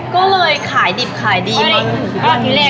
ก็เลยขายดิบขายดีมากเลย